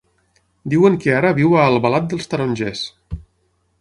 Diuen que ara viu a Albalat dels Tarongers.